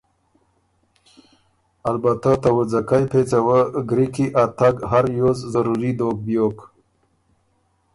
البته ته وُځَکئ پېڅه وه ګری کی ا تګ هر ریوز ضروري دوک بیوک